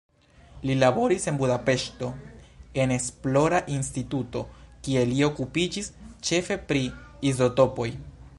Li laboris en Budapeŝto en esplora instituto, kie li okupiĝis ĉefe pri izotopoj.